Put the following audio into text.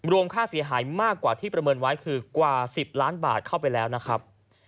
ค่าเสียหายมากกว่าที่ประเมินไว้คือกว่า๑๐ล้านบาทเข้าไปแล้วนะครับ